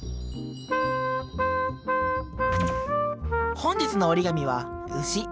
本日の折り紙はうし。